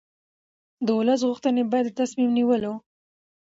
د ولس غوښتنې باید د تصمیم نیولو